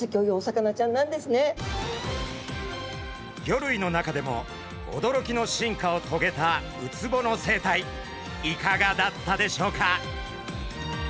魚類の中でも驚きの進化をとげたウツボの生態いかがだったでしょうか？